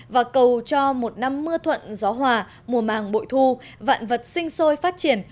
và cầu cho một năm mưa thuận gió hòa mùa màng bội thu vạn vật sinh sôi phát triển